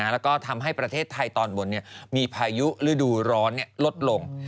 แล้วก็ทำให้ประเทศไทยตอนบนมีพายุฤดูร้อนลดลง